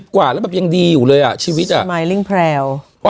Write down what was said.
๖๐กว่าแล้วแบบยังดีอยู่เลยอะสมายย์ลิ้งแพรว